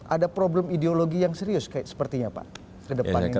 ada problem ideologi yang serius kayak sepertinya pak